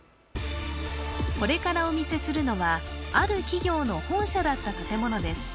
これからお見せするのはある企業の本社だった建物です